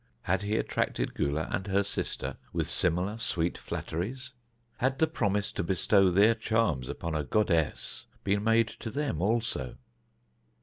Had he attracted Gula and her sister with similar sweet flatteries? Had the promise to bestow their charms upon a goddess been made to them also?